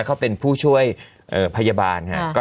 เขาเป็นผู้ช่วยพยาบาลค่ะ